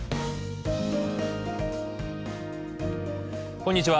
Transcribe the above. こんにちは。